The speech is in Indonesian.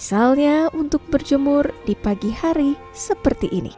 asalnya untuk berjemur di pagi hari seperti ini